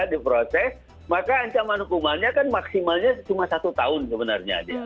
diproses maka ancaman hukumannya kan maksimalnya cuma satu tahun sebenarnya